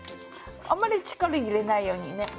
あんまり力入れないようにね。